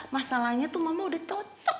masalahnya tuh mama udah tutup